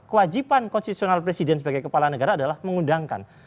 kewajiban konstitusional presiden sebagai kepala negara adalah mengundangkan